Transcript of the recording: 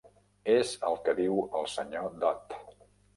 És el que diu el Sr. Dodd.